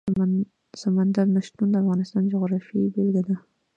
سمندر نه شتون د افغانستان د جغرافیې بېلګه ده.